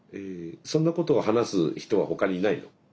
そんなことを話す人は他にいないの？